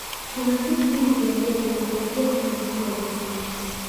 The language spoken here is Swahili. kuna vitu vingi vya ajabu unapoingia kwenye msitu wa jozani